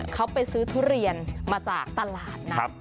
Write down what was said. เขาไปซื้อทุเรียนมาจากตลาดนัด